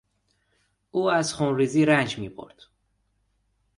او از خونریزی رنج میبرد.